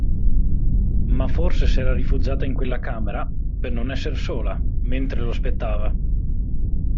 Ma forse s'era rifugiata in quella camera, per non esser sola, mentre lo aspettava.